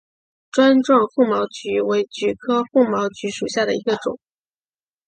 钻状风毛菊为菊科风毛菊属下的一个种。